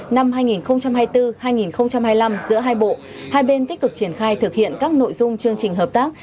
năm hai nghìn hai mươi bốn hai nghìn hai mươi năm giữa hai bộ hai bên tích cực triển khai thực hiện các nội dung chương trình hợp tác